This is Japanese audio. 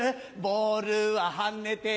ボールは跳ねて